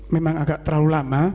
memang agak terlalu lama